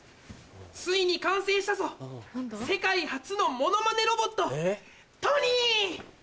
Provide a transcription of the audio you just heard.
ついに完成したぞ世界初のモノマネロボットトニー！